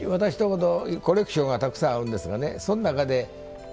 私とこコレクションがたくさんあるんですけどね